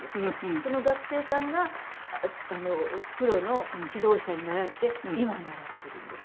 その学生さんがプロの指導者になられて今習ってるんです。